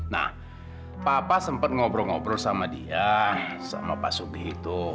nah papa sempat ngobrol ngobrol sama dia sama pak sugi itu